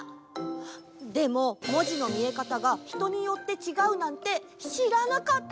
でも文字の見え方が人によってちがうなんて知らなかった！